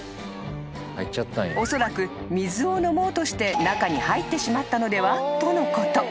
［おそらく水を飲もうとして中に入ってしまったのでは？とのこと］